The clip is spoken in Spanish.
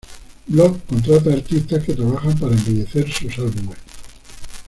Block contrataba artistas que trabajaban para embellecer sus álbumes.